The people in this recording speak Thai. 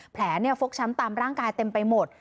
ฟกช้ำตามร่างกายเต็มไปหมด